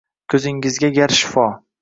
Ko‘zingizga gar shifo.